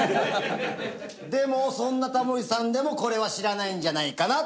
でもそんなタモリさんでもこれは知らないんじゃないかなと。